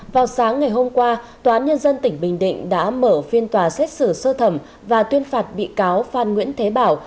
vào sáng ngày hôm qua tòa án nhân dân tỉnh bình định đã mở phiên tòa xét xử sơ thẩm và tuyên phạt bị cáo phan nguyễn thế bảo